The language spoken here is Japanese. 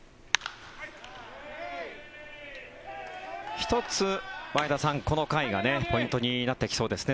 １つ、前田さん、この回がポイントになってきそうですね。